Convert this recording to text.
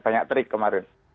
banyak trik kemarin